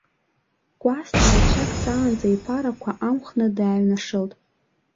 Кәасҭа, рацәак ҵаанӡа, иԥарақәа амхны дааҩнашылт.